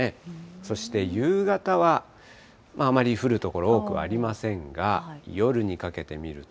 そして夕方はあまり降る所多くありませんが、夜にかけて見ると。